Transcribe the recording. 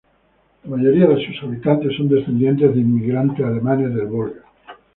La mayoría de sus habitantes son descendientes de inmigrantes alemanes del Volga.